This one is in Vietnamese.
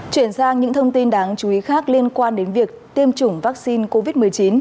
chuyển sang những thông tin đáng chú ý khác liên quan đến việc tiêm chủng vaccine covid một mươi chín